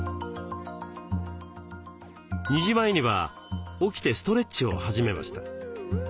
２時前には起きてストレッチを始めました。